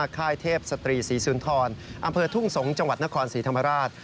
ค่ายเทพศตรีศรีสุนทรอำเภอทุ่งสงศ์จังหวัดนครศรีธรรมราช